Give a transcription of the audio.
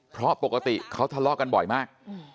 เพราะปกติเขาทะเลาะกันบ่อยมาก